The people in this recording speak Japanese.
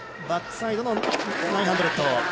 バックサイドの９００。